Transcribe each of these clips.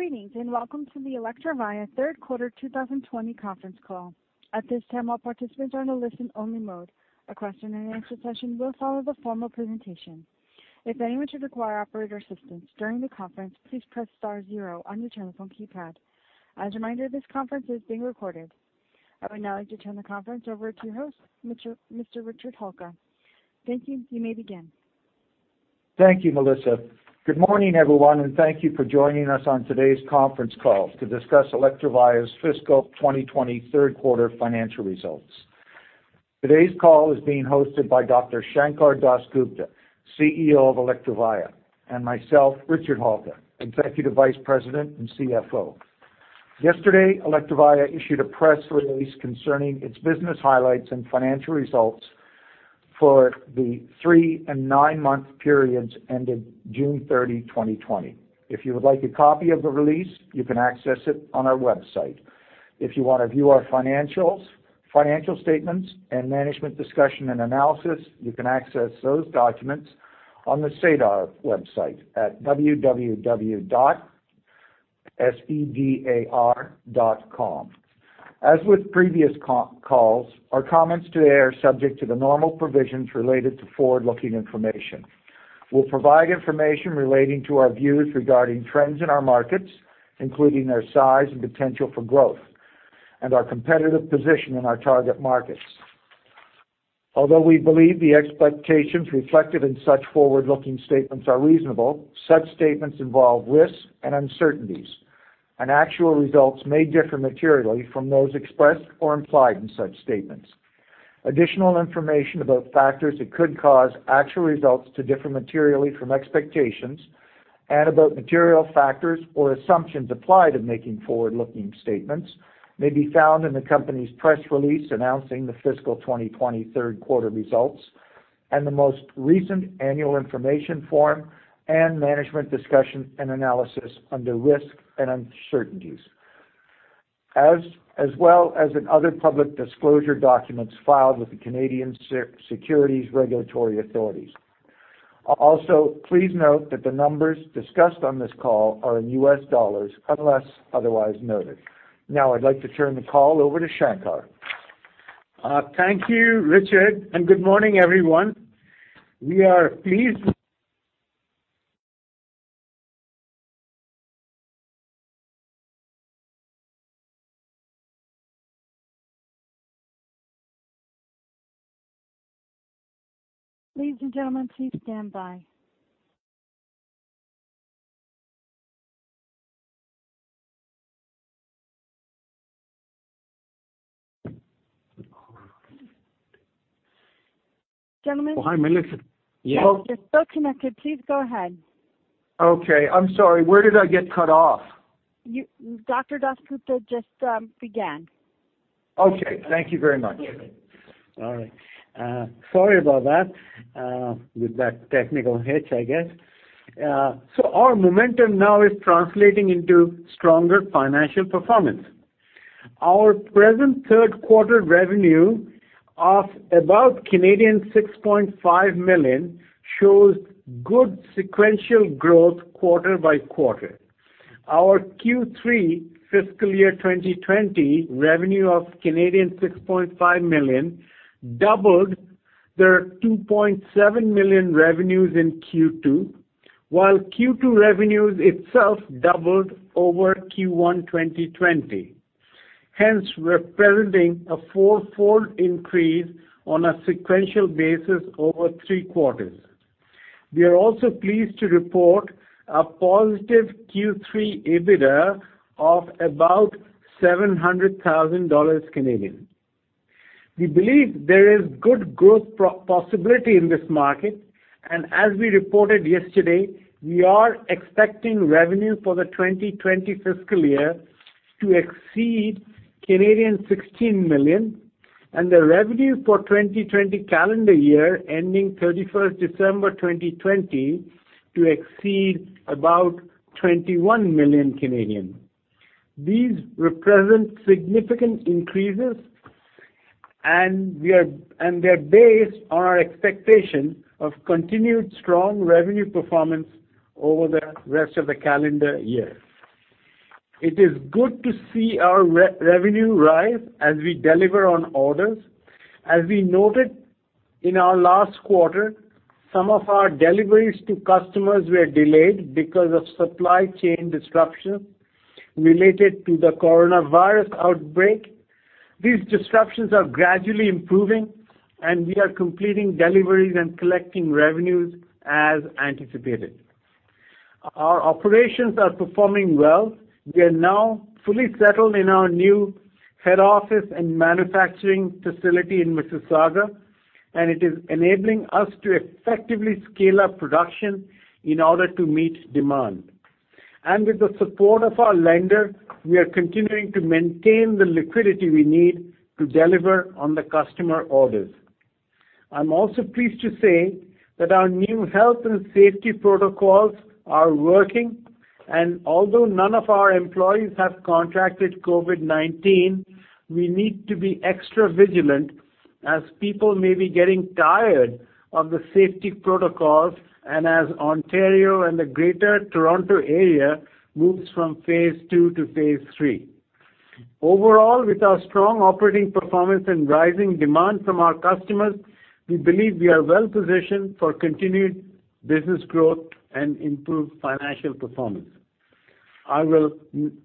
Greetings, and welcome to the Electrovaya third quarter 2020 conference call. At this time, all participants are in a listen-only mode. A question-and-answer session will follow the formal presentation. If anyone should require operator assistance during the conference, please press star zero on your telephone keypad. As a reminder, this conference is being recorded. I would now like to turn the conference over to your host, Mr. Richard Halka. Thank you. You may begin. Thank you, Melissa. Good morning, everyone, and thank you for joining us on today's conference call to discuss Electrovaya's fiscal 2020 third quarter financial results. Today's call is being hosted by Dr. Sankar Das Gupta, CEO of Electrovaya, and myself, Richard Halka, Executive Vice President and CFO. Yesterday, Electrovaya issued a press release concerning its business highlights and financial results for the three and nine-month periods ending June 30, 2020. If you would like a copy of the release, you can access it on our website. If you want to view our financial statements and management discussion and analysis, you can access those documents on the SEDAR website at www.sedar.com. As with previous calls, our comments today are subject to the normal provisions related to forward-looking information. We'll provide information relating to our views regarding trends in our markets, including their size and potential for growth, and our competitive position in our target markets. Although we believe the expectations reflected in such forward-looking statements are reasonable, such statements involve risks and uncertainties, and actual results may differ materially from those expressed or implied in such statements. Additional information about factors that could cause actual results to differ materially from expectations and about material factors or assumptions applied in making forward-looking statements may be found in the company's press release announcing the fiscal 2020 third-quarter results and the most recent annual information form and management discussion and analysis under risks and uncertainties, as well as in other public disclosure documents filed with the Canadian securities regulatory authorities. Also, please note that the numbers discussed on this call are in U.S. dollars, unless otherwise noted. Now, I'd like to turn the call over to Sankar. Thank you, Richard, and good morning, everyone. We are pleased- Ladies and gentlemen, please stand by. Oh, hi, Melissa. Yeah. Yes. You're still connected. Please go ahead. Okay. I'm sorry, where did I get cut off? Dr. Das Gupta just began. Okay. Thank you very much. All right. Sorry about that, with that technical hitch, I guess. Our momentum now is translating into stronger financial performance. Our present third-quarter revenue of about 6.5 million shows good sequential growth quarter-by-quarter. Our Q3 fiscal year 2020 revenue of 6.5 million doubled 2.7 million revenues in Q2, while Q2 revenues itself doubled over Q1 2020, hence representing a four-fold increase on a sequential basis over three quarters. We are also pleased to report a positive Q3 EBITDA of about 700,000 Canadian dollars. We believe there is good growth possibility in this market, and as we reported yesterday, we are expecting revenue for the 2020 fiscal year to exceed 16 million and the revenue for 2020 calendar year ending 31st December 2020 to exceed about 21 million. These represent significant increases. They're based on our expectation of continued strong revenue performance over the rest of the calendar year. It is good to see our revenue rise as we deliver on orders. As we noted in our last quarter, some of our deliveries to customers were delayed because of supply chain disruptions related to the coronavirus outbreak. These disruptions are gradually improving. We are completing deliveries and collecting revenues as anticipated. Our operations are performing well. We are now fully settled in our new head office and manufacturing facility in Mississauga. It is enabling us to effectively scale up production in order to meet demand. With the support of our lender, we are continuing to maintain the liquidity we need to deliver on the customer orders. I'm also pleased to say that our new health and safety protocols are working. Although none of our employees have contracted COVID-19, we need to be extra vigilant. As people may be getting tired of the safety protocols, as Ontario and the Greater Toronto Area moves from phase two to phase three. Overall, with our strong operating performance and rising demand from our customers, we believe we are well positioned for continued business growth and improved financial performance. I will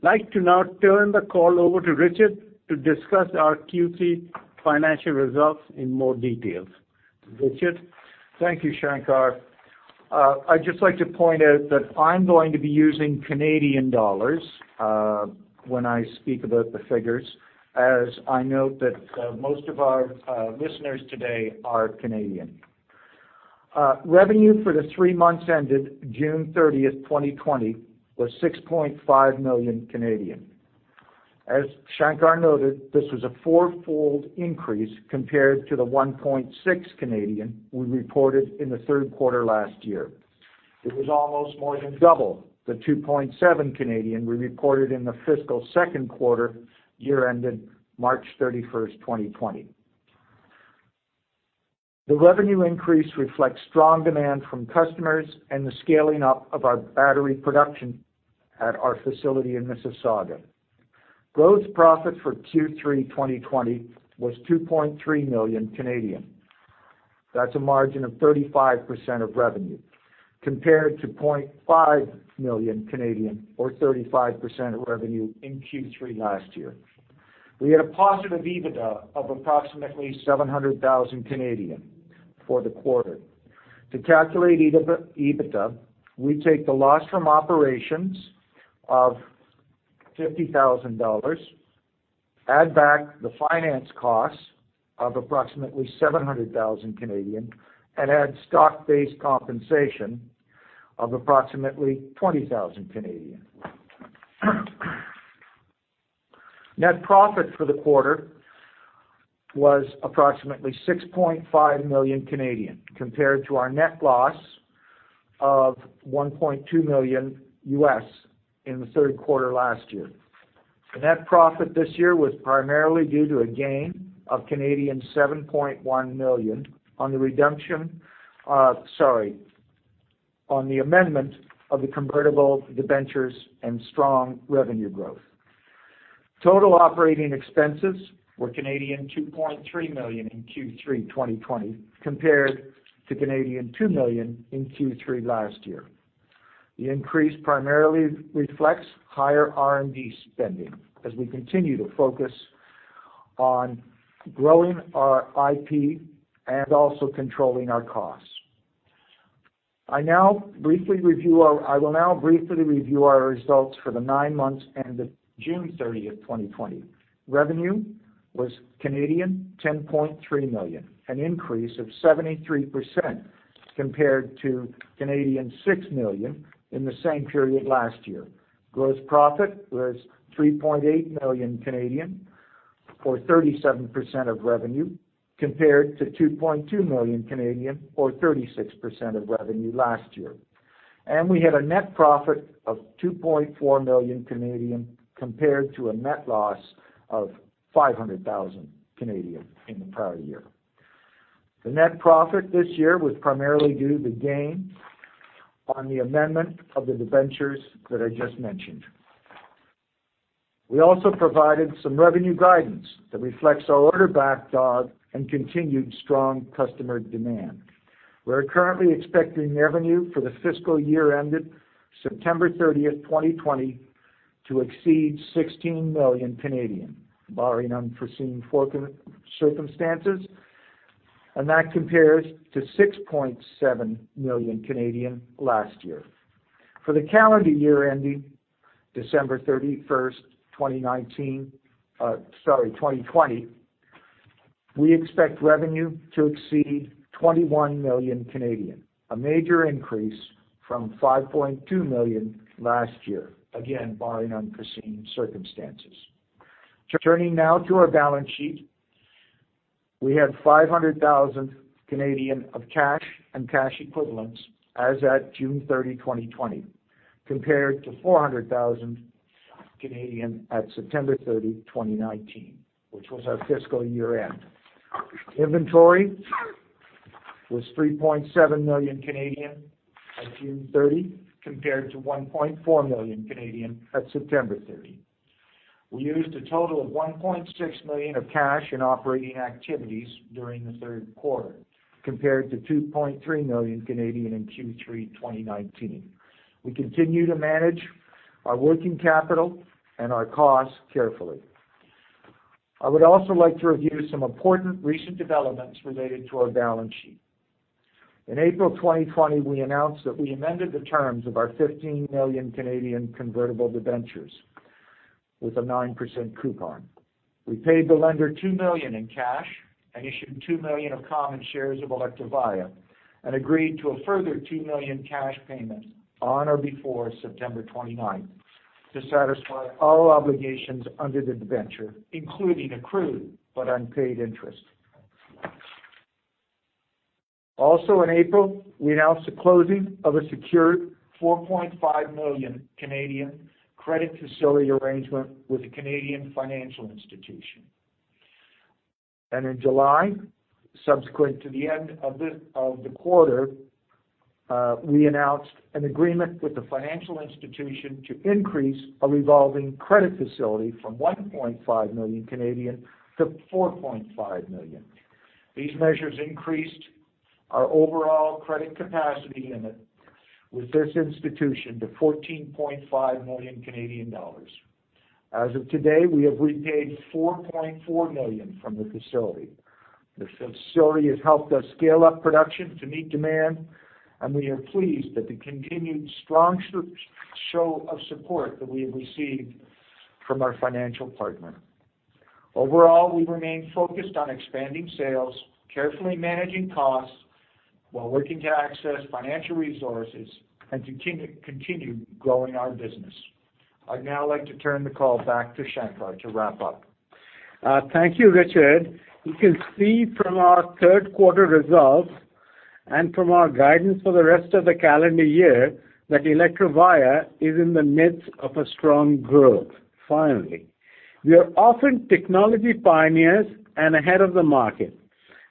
like to now turn the call over to Richard to discuss our Q3 financial results in more details. Richard? Thank you, Sankar. I'd just like to point out that I'm going to be using Canadian dollars when I speak about the figures, as I know that most of our listeners today are Canadian. Revenue for the three months ended June 30th, 2020 was 6.5 million. As Sankar noted, this was a four-fold increase compared to 1.6 million we reported in the third quarter last year. It was almost more than double 2.7 million we reported in the fiscal second quarter year ended March 31st, 2020. The revenue increase reflects strong demand from customers and the scaling up of our battery production at our facility in Mississauga. Gross profit for Q3 2020 was 2.3 million. That's a margin of 35% of revenue compared to 0.5 million or 35% of revenue in Q3 last year. We had a positive EBITDA of approximately 700,000 for the quarter. To calculate EBITDA, we take the loss from operations of 50,000 dollars, add back the finance costs of approximately 700,000 and add stock-based compensation of approximately 20,000. Net profit for the quarter was approximately 6.5 million compared to our net loss of $1.2 million in the third quarter last year. The net profit this year was primarily due to a gain of 7.1 million on the amendment of the convertible debentures and strong revenue growth. Total operating expenses were 2.3 million in Q3 2020 compared to 2 million in Q3 last year. The increase primarily reflects higher R&D spending as we continue to focus on growing our IP and also controlling our costs. I will now briefly review our results for the nine months ended June 30th, 2020. Revenue was 10.3 million, an increase of 73% compared to 6 million in the same period last year. Gross profit was 3.8 million, or 37% of revenue, compared to 2.2 million or 36% of revenue last year. We had a net profit of 2.4 million compared to a net loss of 500,000 in the prior year. The net profit this year was primarily due to the gain on the amendment of the debentures that I just mentioned. We also provided some revenue guidance that reflects our order backlog and continued strong customer demand. We are currently expecting revenue for the fiscal year ended September 30th, 2020, to exceed 16 million, barring unforeseen circumstances, and that compares to 6.7 million last year. For the calendar year ending December 31st, 2020, we expect revenue to exceed 21 million, a major increase from 5.2 million last year, again, barring unforeseen circumstances. Turning now to our balance sheet, we had 500,000 of cash and cash equivalents as at June 30, 2020, compared to 400,000 at September 30, 2019, which was our fiscal year end. Inventory was 3.7 million on June 30, compared to 1.4 million at September 30. We used a total of 1.6 million of cash in operating activities during the third quarter, compared to 2.3 million in Q3 2019. We continue to manage our working capital and our costs carefully. I would also like to review some important recent developments related to our balance sheet. In April 2020, we announced that we amended the terms of our 15 million convertible debentures with a 9% coupon. We paid the lender 2 million in cash and issued 2 million of common shares of Electrovaya and agreed to a further 2 million cash payment on or before September 29th to satisfy all obligations under the debenture, including accrued but unpaid interest. Also in April, we announced the closing of a secured 4.5 million credit facility arrangement with a Canadian financial institution. In July, subsequent to the end of the quarter, we announced an agreement with the financial institution to increase a revolving credit facility from 1.5 million to 4.5 million. These measures increased our overall credit capacity limit with this institution to 14.5 million Canadian dollars. As of today, we have repaid 4.4 million from the facility. This facility has helped us scale up production to meet demand, and we are pleased at the continued strong show of support that we have received from our financial partner. Overall, we remain focused on expanding sales, carefully managing costs, while working to access financial resources and continue growing our business. I'd now like to turn the call back to Sankar to wrap up. Thank you, Richard. You can see from our third quarter results and from our guidance for the rest of the calendar year that Electrovaya is in the midst of a strong growth finally. We are often technology pioneers and ahead of the market.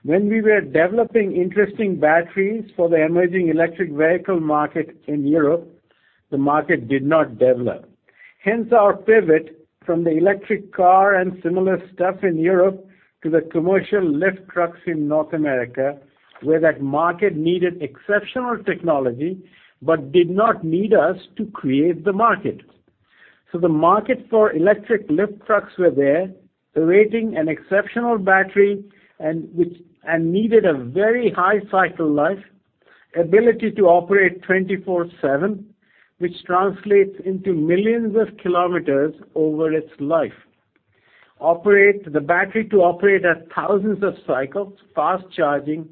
When we were developing interesting batteries for the emerging electric vehicle market in Europe, the market did not develop. Our pivot from the electric car and similar stuff in Europe to the commercial lift trucks in North America, where that market needed exceptional technology but did not need us to create the market. The market for electric lift trucks were there, awaiting an exceptional battery, and needed a very high cycle life, ability to operate 24/7, which translates into millions of kilometers over its life. Operate the battery to operate at thousands of cycles, fast charging,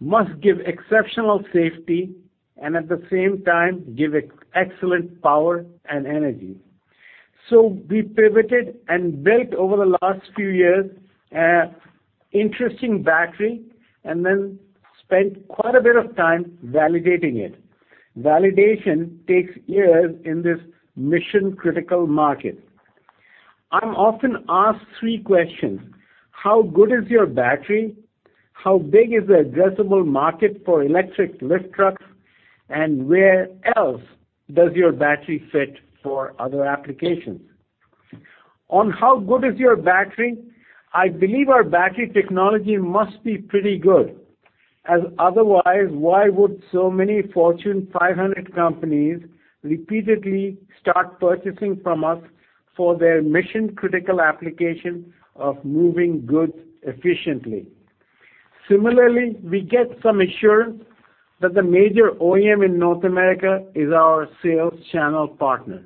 must give exceptional safety, and at the same time, give excellent power and energy. We pivoted and built over the last few years an interesting battery, and then spent quite a bit of time validating it. Validation takes years in this mission-critical market. I'm often asked three questions. How good is your battery? How big is the addressable market for electric lift trucks? Where else does your battery fit for other applications? On how good is your battery, I believe our battery technology must be pretty good, as otherwise, why would so many Fortune 500 companies repeatedly start purchasing from us for their mission-critical application of moving goods efficiently. Similarly, we get some assurance that the major OEM in North America is our sales channel partner.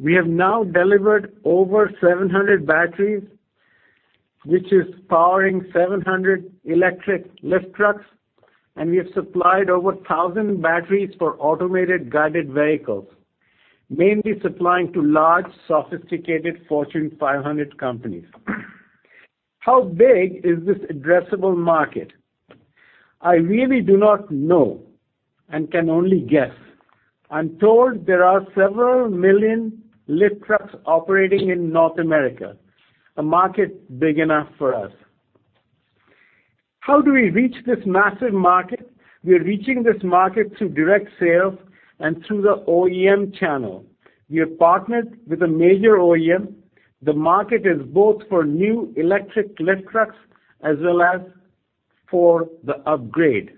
We have now delivered over 700 batteries, which is powering 700 electric lift trucks, and we have supplied over 1,000 batteries for automated guided vehicles, mainly supplying to large, sophisticated Fortune 500 companies. How big is this addressable market? I really do not know and can only guess. I'm told there are several million lift trucks operating in North America, a market big enough for us. How do we reach this massive market? We're reaching this market through direct sales and through the OEM channel. We have partnered with a major OEM. The market is both for new electric lift trucks as well as for the upgrade.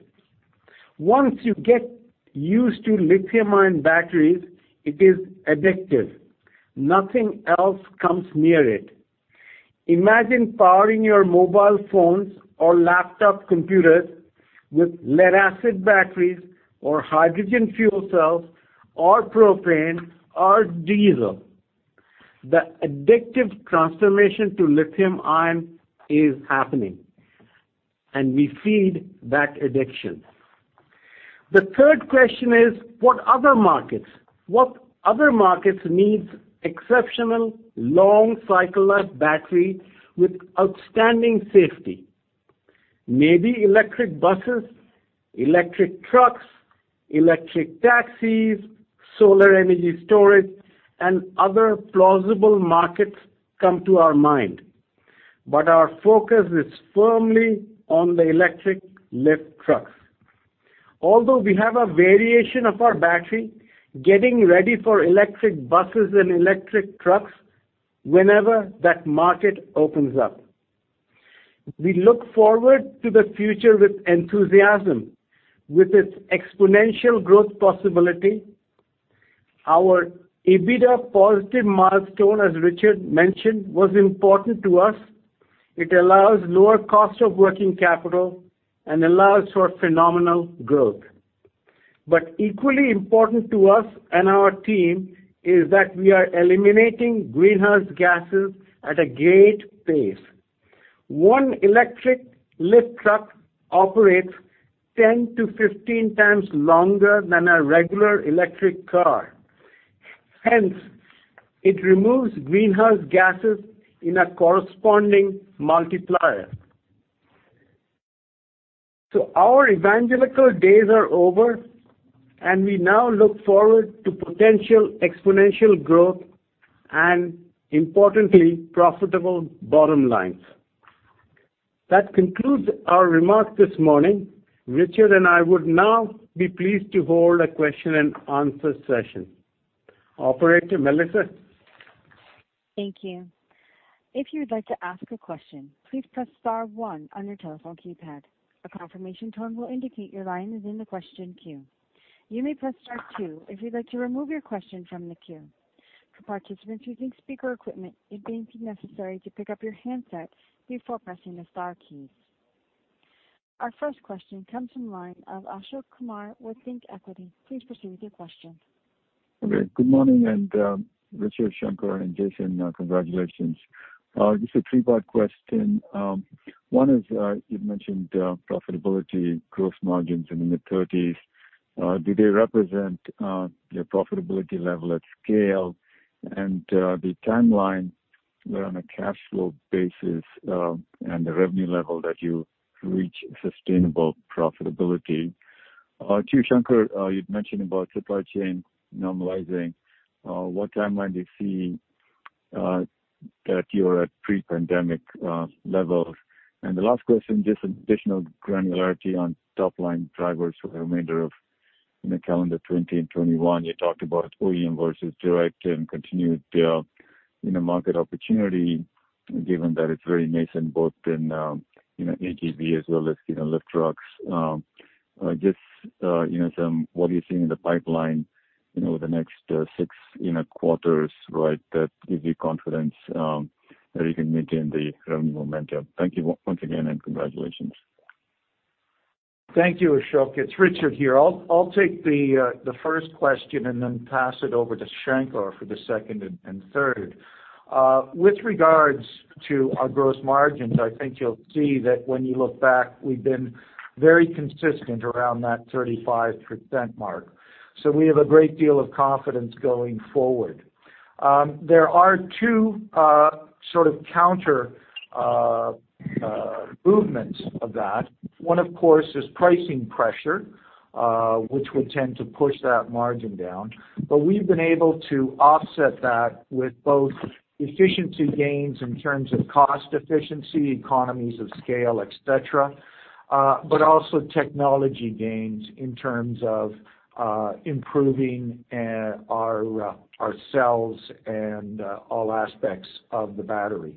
Once you get used to lithium-ion batteries, it is addictive. Nothing else comes near it. Imagine powering your mobile phones or laptop computers with lead-acid batteries or hydrogen fuel cells or propane or diesel. The addictive transformation to lithium-ion is happening, and we feed that addiction. The third question is, what other markets? What other markets need exceptional long cycle life battery with outstanding safety? Maybe electric buses, electric trucks, electric taxis, solar energy storage, and other plausible markets come to our mind. Our focus is firmly on the electric lift trucks. Although we have a variation of our battery, getting ready for electric buses and electric trucks whenever that market opens up. We look forward to the future with enthusiasm with its exponential growth possibility. Our EBITDA positive milestone, as Richard mentioned, was important to us. It allows lower cost of working capital and allows for phenomenal growth. Equally important to us and our team is that we are eliminating greenhouse gases at a great pace. One electric lift truck operates 10 to 15 times longer than a regular electric car. Hence, it removes greenhouse gases in a corresponding multiplier. Our evangelical days are over, and we now look forward to potential exponential growth and importantly, profitable bottom lines. That concludes our remarks this morning. Richard and I would now be pleased to hold a question and answer session. Operator Melissa? Thank you. If you would like to ask a question, please press star one on your telephone keypad. A confirmation tone will indicate your line is in the question queue. You may press star two if you'd like to remove your question from the queue. For participants using speaker equipment, it may be necessary to pick up your handset before pressing the star keys. Our first question comes from the line of Ashok Kumar with ThinkEquity. Please proceed with your question. Okay. Good morning, Richard, Sankar, and Jason, congratulations. This is a three-part question. One is, you've mentioned profitability, gross margins in the mid-30s. Do they represent your profitability level at scale and the timeline on a cash flow basis and the revenue level that you reach sustainable profitability? To you, Sankar, you'd mentioned about supply chain normalizing, what timeline do you see that you're at pre-pandemic levels? The last question, just additional granularity on top-line drivers for the remainder of calendar 2020 and 2021. You talked about OEM versus direct and continued market opportunity, given that it's very nascent both in AGV as well as in electric trucks. What are you seeing in the pipeline, the next six quarters, that gives you confidence that you can maintain the revenue momentum? Thank you once again, and congratulations. Thank you, Ashok. It's Richard here. I'll take the first question and then pass it over to Sankar for the second and third. With regards to our gross margins, I think you'll see that when you look back, we've been very consistent around that 35% mark. We have a great deal of confidence going forward. There are two sort of counter movements of that. One, of course, is pricing pressure, which would tend to push that margin down. We've been able to offset that with both efficiency gains in terms of cost efficiency, economies of scale, et cetera, but also technology gains in terms of improving our cells and all aspects of the battery.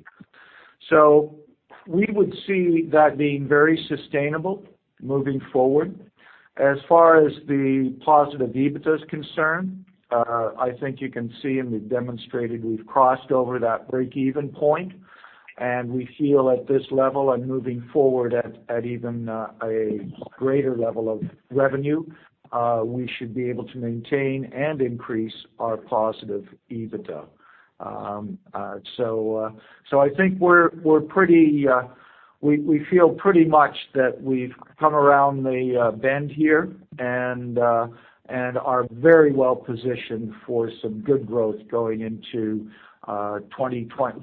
We would see that being very sustainable moving forward. As far as the positive EBITDA is concerned, I think you can see and we've demonstrated we've crossed over that break-even point. We feel at this level and moving forward at even a greater level of revenue, we should be able to maintain and increase our positive EBITDA. I think we feel pretty much that we've come around the bend here and are very well positioned for some good growth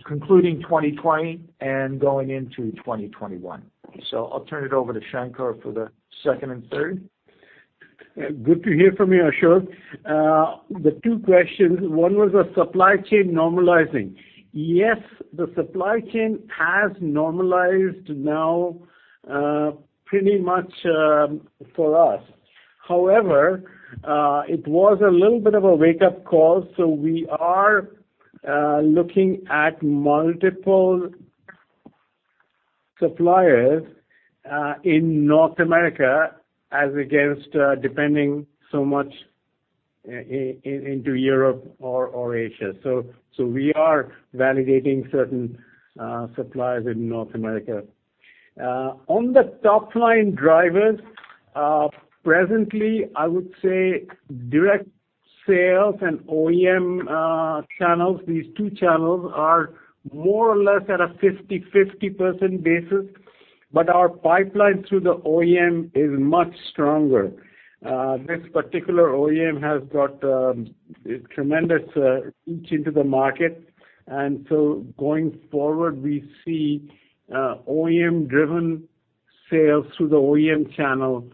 concluding 2020 and going into 2021. I'll turn it over to Sankar for the second and third. Good to hear from you, Ashok. The two questions, one was the supply chain normalizing. Yes, the supply chain has normalized now pretty much for us. However, it was a little bit of a wake-up call, so we are looking at multiple suppliers in North America as against depending so much into Europe or Asia. We are validating certain suppliers in North America. On the top-line drivers, presently, I would say direct sales and OEM channels, these two channels are more or less at a 50/50% basis. Our pipeline through the OEM is much stronger. This particular OEM has got tremendous reach into the market. Going forward, we see OEM-driven sales through the OEM channel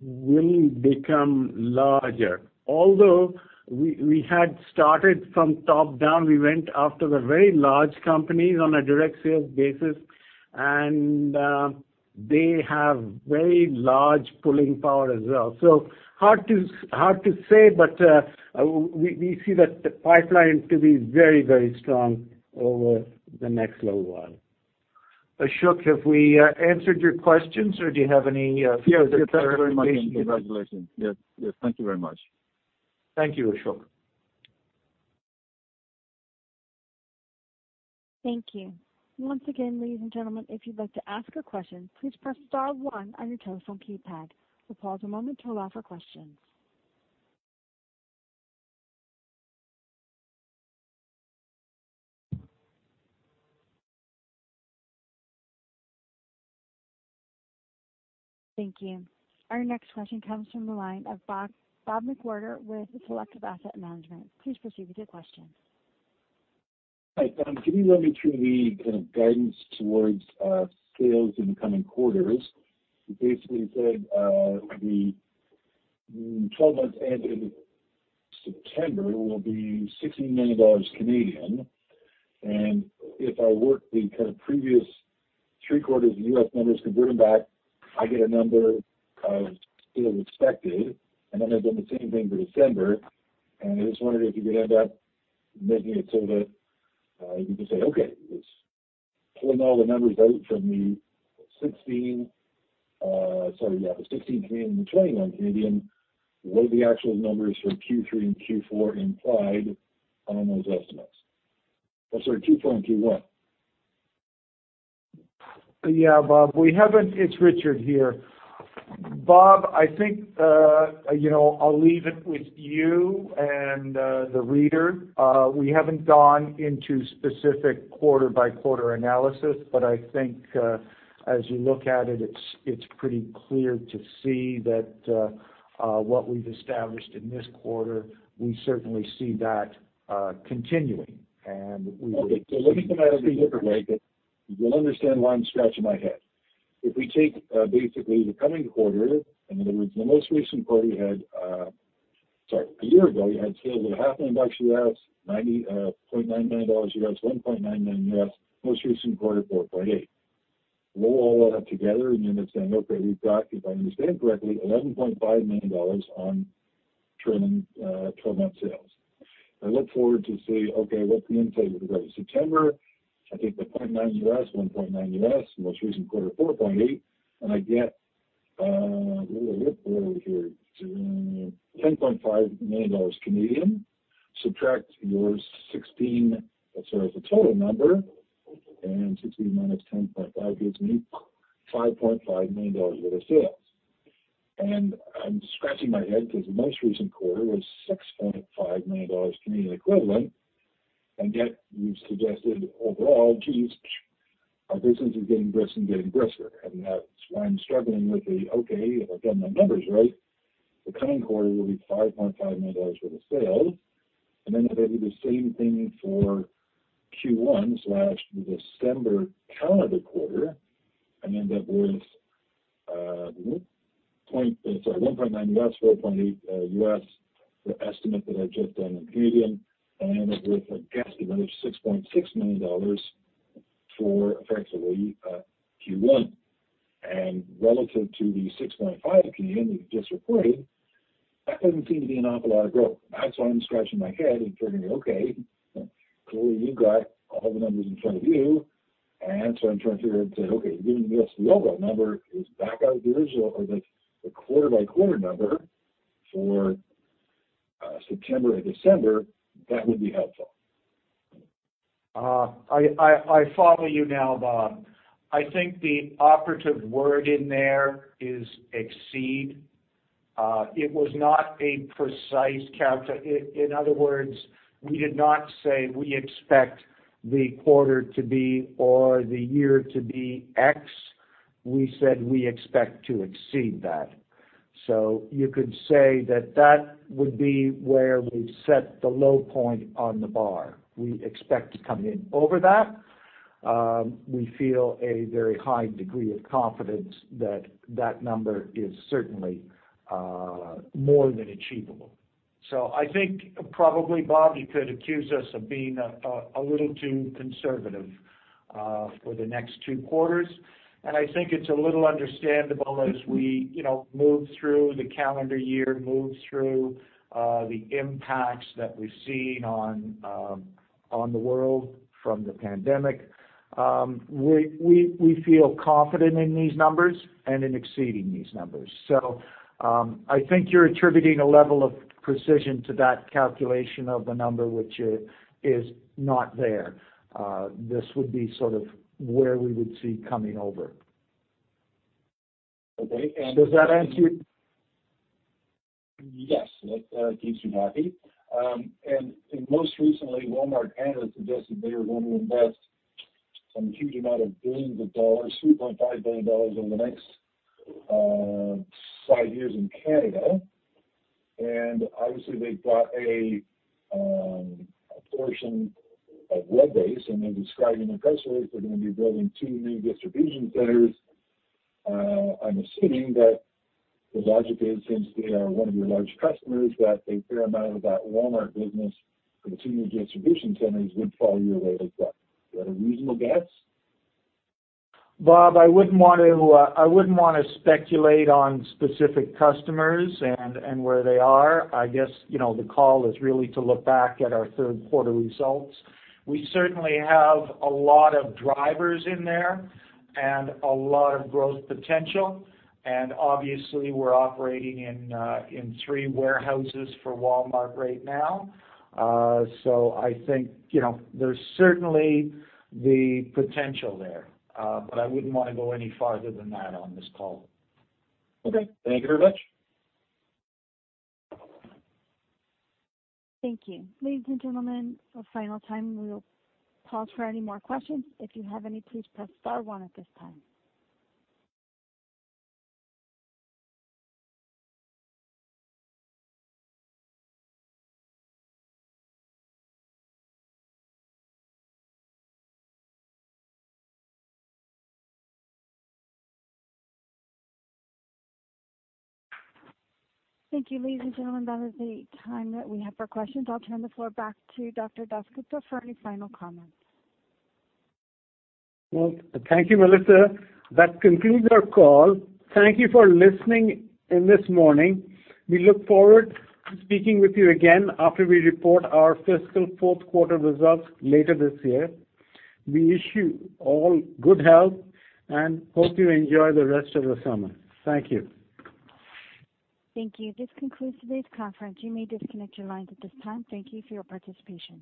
will become larger. Although we had started from top-down, we went after the very large companies on a direct sales basis. They have very large pulling power as well. Hard to say, but we see the pipeline to be very strong over the next little while. Ashok, have we answered your questions, or do you have any further clarification? Yes. Thank you very much, and congratulations. Yes. Thank you very much. Thank you, Ashok. Thank you. Once again, ladies and gentlemen, if you'd like to ask a question, please press star one on your telephone keypad. We'll pause a moment to allow for questions. Thank you. Our next question comes from the line of Bob McWhirter with Selective Asset Management. Please proceed with your question. Hi. Can you run me through the kind of guidance towards sales in the coming quarters? You basically said the 12 months ending September will be 16 million Canadian dollars. If I work the kind of previous three quarters of USD numbers, convert them back, I get a number of sales expected, and then I've done the same thing for December, and I just wondered if you could end up making it so that you can say, okay, it's pulling all the numbers out from the 16, sorry, yeah, the 16 million and the CAD 21, what are the actual numbers for Q3 and Q4 implied on those estimates? I'm sorry, Q4 and Q1. Yeah, Bob. It's Richard here. Bob, I think I'll leave it with you and the reader. We haven't gone into specific quarter-by-quarter analysis, but I think as you look at it's pretty clear to see that what we've established in this quarter, we certainly see that continuing. Okay. Let me put it a different way, but you'll understand why I'm scratching my head. If we take basically the coming quarter, in other words, the most recent quarter you had Sorry, a year ago, you had sales of $0.5 million, $0.99, $1.99, most recent quarter, $4.8. Roll all that up together, it's saying, okay, we've got, if I understand correctly, $11.5 million on trailing 12-month sales. I look forward to see, okay, what's the implication of that? In September, I think the $0.9, $1.9, the most recent quarter, $4.48, I get, where are we here? 10.5 million Canadian dollars. Subtract your 16, sorry, it's the total number, 16 minus 10.5 gives me 5.5 million dollars worth of sales. I'm scratching my head because the most recent quarter was 6.5 million Canadian dollars, yet you've suggested overall to these, our business is getting brisker and getting brisker. That's why I'm struggling with the, okay, if I've done my numbers right, the coming quarter will be 5.5 million worth of sales, then if I do the same thing for Q1/December calendar quarter, I end up with, sorry, $1.9, $4.8, the estimate that I've just done in Canadian, and I end up with a guesstimate of 6.6 million dollars for effectively Q1. Relative to the 6.5 you've just reported, that doesn't seem to be an awful lot of growth. That's why I'm scratching my head and figuring, okay, clearly you got all the numbers in front of you, and so I'm trying to figure out and say, okay, giving me a year-over-number is back out of the original or the, quarter-by-quarter number for September to December, that would be helpful. I follow you now, Bob. I think the operative word in there is exceed. It was not a precise count. In other words, we did not say we expect the quarter to be or the year to be X. We said we expect to exceed that. You could say that that would be where we've set the low point on the bar. We expect to come in over that. We feel a very high degree of confidence that that number is certainly more than achievable. I think probably, Bob, you could accuse us of being a little too conservative for the next two quarters, and I think it's a little understandable as we move through the calendar year, move through the impacts that we've seen on the world from the pandemic. We feel confident in these numbers and in exceeding these numbers. I think you're attributing a level of precision to that calculation of the number which is not there. This would be sort of where we would see coming over. Okay. Does that answer? Yes. That keeps you happy. Most recently, Walmart Canada suggested they are going to invest some huge amount of billions of dollars, $3.5 billion over the next five years in Canada. Obviously, they've got a portion of web-based, and they're describing in press release they're going to be building two new distribution centers. I'm assuming that the logic is since they are one of your large customers, that a fair amount of that Walmart business for the two new distribution centers would fall your way as well. Is that a reasonable guess? Bob, I wouldn't want to speculate on specific customers and where they are. I guess, the call is really to look back at our third quarter results. We certainly have a lot of drivers in there and a lot of growth potential, obviously we're operating in three warehouses for Walmart right now. I think, there's certainly the potential there. I wouldn't want to go any farther than that on this call. Okay. Thank you very much. Thank you. Ladies and gentlemen, for final time, we will pause for any more questions. If you have any, please press star one at this time. Thank you. Ladies and gentlemen, that is the time that we have for questions. I'll turn the floor back to Dr. Das Gupta for any final comments. Well, thank you, Melissa. That concludes our call. Thank you for listening in this morning. We look forward to speaking with you again after we report our fiscal fourth quarter results later this year. We wish you all good health and hope you enjoy the rest of the summer. Thank you. Thank you. This concludes today's conference. You may disconnect your lines at this time. Thank you for your participation.